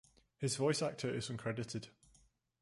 His voice actor is uncredited.